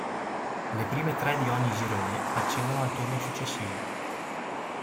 Le prime tre di ogni girone accedono al turno successivo.